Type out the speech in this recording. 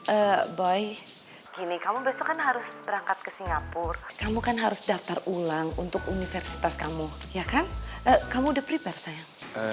eh boy kini kamu besok kan harus berangkat ke singapura kamu kan harus daftar ulang untuk universitas kamu ya kan kamu udah prepare sayang